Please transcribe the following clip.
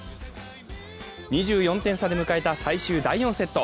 ２４点差で迎えた最終第４セット。